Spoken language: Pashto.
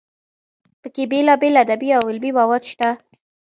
پکې بېلابېل ادبي او علمي مواد شته.